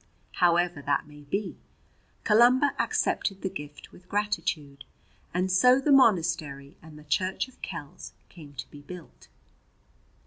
However that may be, Columba accepted the gift with gratitude, and so the monastery and the church of Kells came to be built.